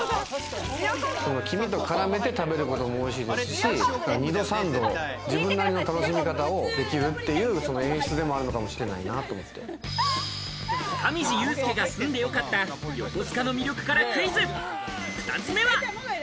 黄味と絡めて食べるのもおいしいですし、二度三度、自分なりの楽しみ方をできるっていう、演出でもあるの上地雄輔が住んで良かった横須賀の魅力からクイズ、２つ目は。